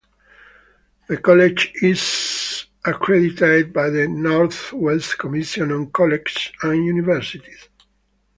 The college is accredited by the Northwest Commission on Colleges and Universities.